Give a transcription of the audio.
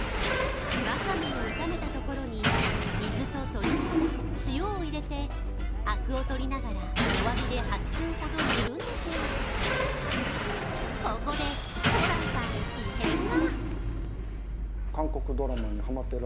わかめを炒めたところに水と鶏肉塩を入れて、アクをとりながら弱火で８分ほど煮るんですが、ここで、ホランさんに異変が！